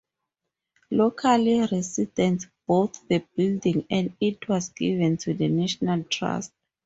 Local residents bought the building and it was given to the National Trust.